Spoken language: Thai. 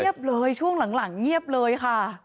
เลยช่วงหลังเงียบเลยค่ะ